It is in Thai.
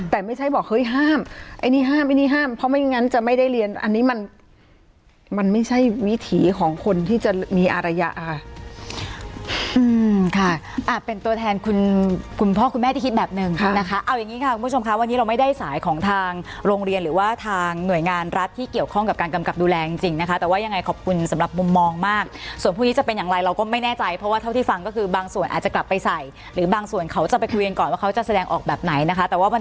แต่ไม่ใช่บอกเฮ้ยห้ามไอ้นี่ห้ามไอ้นี่ห้ามเพราะไม่งั้นจะไม่ได้เรียนอันนี้มันมันไม่ใช่วิถีของคนที่จะมีอารยาค่ะเป็นตัวแทนคุณคุณพ่อคุณแม่ที่คิดแบบนึงนะคะเอาอย่างนี้ค่ะคุณผู้ชมคะวันนี้เราไม่ได้สายของทางโรงเรียนหรือว่าทางหน่วยงานรัฐที่เกี่ยวข้องกับการกำกับดูแลจริงจริงนะคะแต่ว่ายังไงขอบค